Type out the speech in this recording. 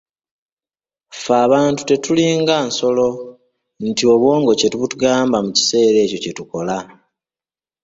Ffe abantu tetulinga nsolo nti obwongo kye butugamba mu kiseera ekyo kye tukola.